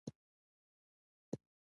نوې اختراع د انسان ذهن ښکارندوی ده